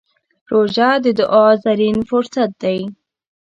روژه د دعا زرين فرصت دی.